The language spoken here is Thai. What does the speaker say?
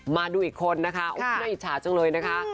มาดูอีกคนนะคะน่าอิจฉาจังเลยนะคะ